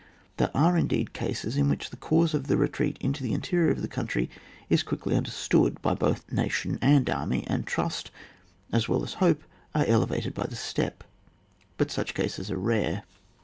There are indeed cases in which the cause of the retreat into the interior of the country is quickly understood by both nation and army, and trust, as well as hope, are elevated by the step ; but such cases are rare.